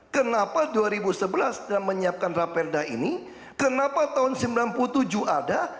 kenapa dua ribu sebelas dalam menyiapkan raperda ini kenapa tahun sembilan puluh tujuh ada